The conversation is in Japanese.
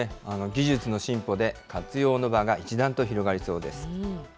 技術の進歩で、活用の場が一段と広がりそうです。